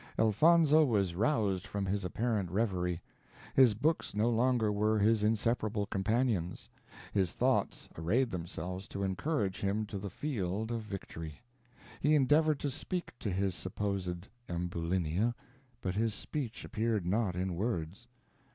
Elfonzo was roused from his apparent reverie. His books no longer were his inseparable companions his thoughts arrayed themselves to encourage him to the field of victory. He endeavored to speak to his supposed Ambulinia, but his speech appeared not in words.